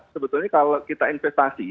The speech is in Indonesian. sebetulnya kalau kita investasi